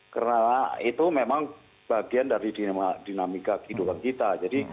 karena itu memang bagian dari dinamika kehidupan kita